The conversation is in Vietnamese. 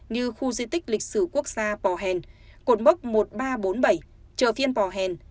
như khu di tích lịch sử quốc gia pò hèn cột mốc một nghìn ba trăm bốn mươi bảy chợ phiên bò hèn